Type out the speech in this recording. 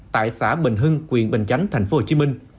tại xã bình hưng quyền bình chánh tp hcm